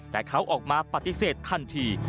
แต่เขาออกมาปฏิเสธทันที